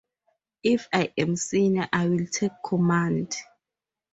If I am senior, I will take command.